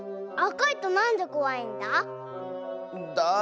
あかいとなんでこわいんだ？